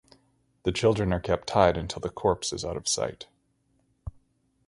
The children are kept tied until the corpse is out of sight.